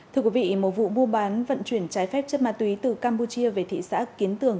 thưa quý vị một vụ mua bán vận chuyển trái phép chất ma túy từ campuchia về thị xã kiến tường